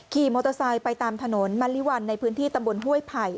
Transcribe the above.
ขี่มอเตอร์ไซค์ไปตามถนนมะลิวัลในพื้นที่ตำบลห้วยไผ่